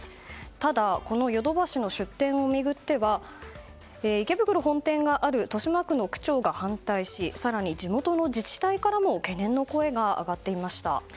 ただ、このヨドバシの出店を巡っては池袋本店がある豊島区の区長が反対し更に地元自治体からも懸念の声が上がっていました。